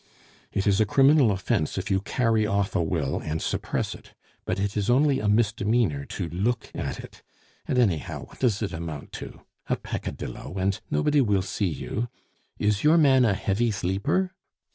"It is a criminal offence if you carry off a will and suppress it, but it is only a misdemeanor to look at it; and anyhow, what does it amount to? A peccadillo, and nobody will see you. Is your man a heavy sleeper?"